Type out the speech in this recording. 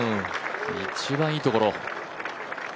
一番いいところ。